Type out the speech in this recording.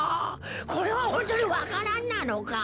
これはホントにわか蘭なのか？